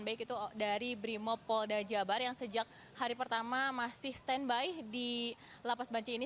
baik itu dari brimo pol dajabar yang sejak hari pertama masih stand by di lapas bancai ini